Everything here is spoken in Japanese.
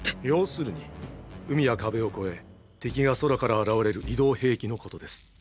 要するに海や壁を越え敵が空から現れる移動兵器のことです。